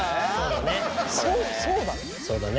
そうだね。